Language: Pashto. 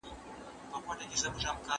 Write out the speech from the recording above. حکومت باید په عدل سره چوپړ وکړي.